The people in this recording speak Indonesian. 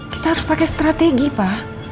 kita harus pakai strategi pak